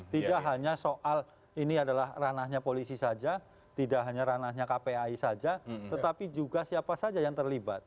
tidak hanya soal ini adalah ranahnya polisi saja tidak hanya ranahnya kpai saja tetapi juga siapa saja yang terlibat